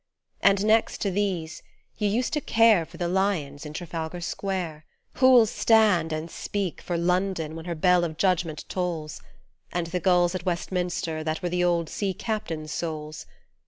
And next to these, you used to care For the lions in Trafalgar Square, Who'll stand and speak for London when her bell of Judgment tolls And the gulls at Westminster that were The old sea captains' souls.